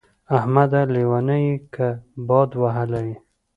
احمده! لېونی يې که باد وهلی يې.